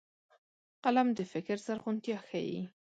قلم د فکر زرغونتيا ښيي